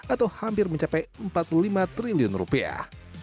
atau hampir mencapai empat puluh lima triliun rupiah